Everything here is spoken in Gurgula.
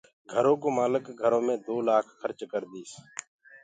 گھرو ڪو مآلڪ گھرو مي دو لآک کرچ ڪرديس